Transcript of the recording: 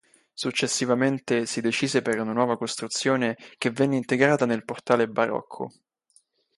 Successivamente si decise per una nuova costruzione che venne integrata nel portale barocco.